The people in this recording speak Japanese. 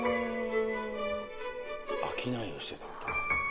商いをしてたんだ。